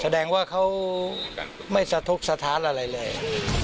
แสดงว่าเขาไม่สะทกสถานอะไรเลย